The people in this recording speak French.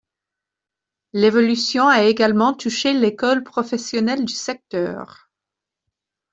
L’évolution a également touché l’école professionnelle du secteur.